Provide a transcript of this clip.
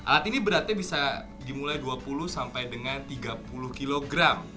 alat ini beratnya bisa dimulai dua puluh sampai dengan tiga puluh kg